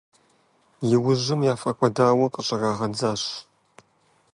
Иужьым яфӏэкӏуэдауэ къыщӏрагъэдзащ.